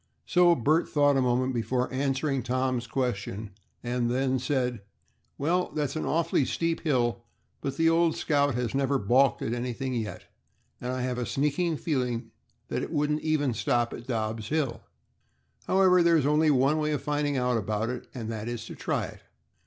So Bert thought a moment before answering Tom's question, and then said, "Well, that's an awfully steep hill, but the old 'Scout' has never balked at anything yet, and I have a sneaking feeling that it wouldn't even stop at Dobb's hill. However, there is only one way of finding out about it, and that is to try it.